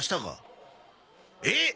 えっ！